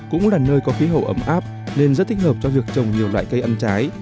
cũng là nơi có khí hậu ấm áp nên rất thích hợp cho việc trồng nhiều loại cây ăn trái